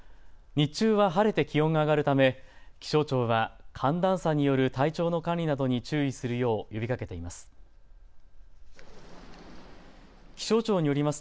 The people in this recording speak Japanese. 日中は晴れて気温が上がるため気象庁は寒暖差による体調の管理などに注意するよう呼びかけています。